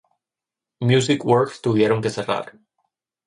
Music Works tuvieron que cerrar.